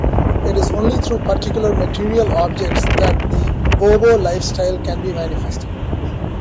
It is only through particular material objects that the Bobo lifestyle can be manifested.